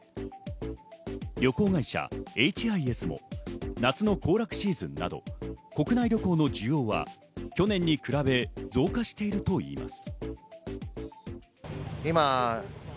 旅行会社エイチ・アイ・エスも夏の行楽シーズンなど国内旅行の需要は去年に比べ、増加しているといいます。